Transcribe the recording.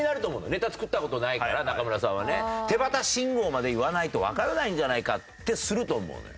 ネタ作った事ないから中村さんはね。「手旗信号」まで言わないとわからないんじゃないかってすると思うのよ。